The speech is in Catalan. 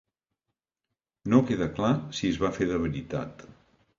No queda clar si es va fer de veritat.